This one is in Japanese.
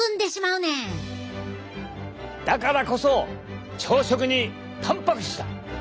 だからこそ朝食にたんぱく質だ！